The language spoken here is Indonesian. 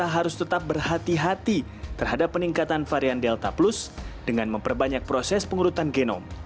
kita harus tetap berhati hati terhadap peningkatan varian delta plus dengan memperbanyak proses pengurutan genom